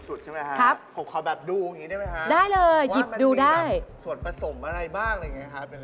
ถูกสุดใช่ไหมคะขมเคาแบบดูได้ไหมคะว่ามันมีอะไรส่วนผสมอะไรบ้าง